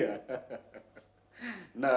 begitu kan pak